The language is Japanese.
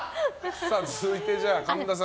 続いて神田さん。